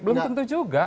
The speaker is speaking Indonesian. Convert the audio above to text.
belum tentu juga